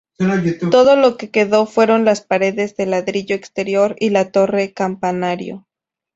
Todo lo que quedó fueron las paredes de ladrillo exterior y la torre-campanario.